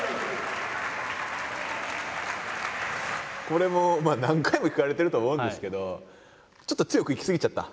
これも何回も聞かれてると思うんですけどちょっと強くいき過ぎちゃった？